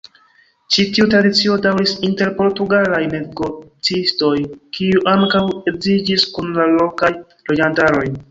Ĉi tiu tradicio daŭris inter portugalaj negocistoj kiuj ankaŭ edziĝis kun la lokaj loĝantaroj.